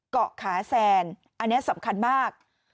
เกาะขาแซนอันนี้สำคัญมาก